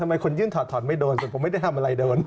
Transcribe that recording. คนยื่นถอดถอนไม่โดนแต่ผมไม่ได้ทำอะไรโดน